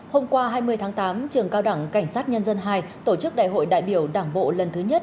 hôm qua hai mươi tháng tám trường cao đẳng cảnh sát nhân dân hai tổ chức đại hội đại biểu đảng bộ lần thứ nhất